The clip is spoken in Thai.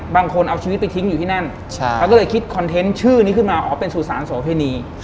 บางคนเอาชีวิตไปทิ้งอยู่ที่นั่นเขาก็เลยคิดคอนเทนต์ชื่อนี้ขึ้นมาอ๋อเป็นสุสานโสเพณี